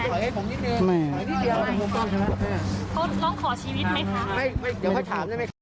เดี๋ยวค่อยถามได้ไหมคะ